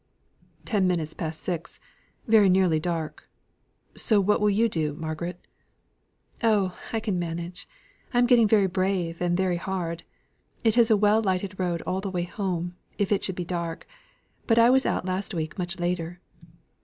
"Ten minutes past six; very nearly dark. So what will you do, Margaret?" "Oh, I can manage. I am getting very brave and very hard. It is a well lighted road all the way home, if it should be dark. But I was out last week much later."